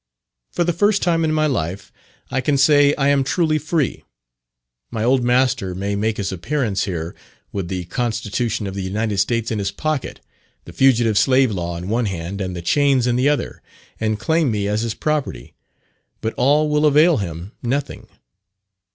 For the first time in my life, I can say "I am truly free." My old master may make his appearance here, with the Constitution of the United States in his pocket, the Fugitive Slave Law in one hand and the chains in the other, and claim me as his property, but all will avail him nothing.